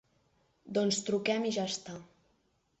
Doncs truquem i ja està.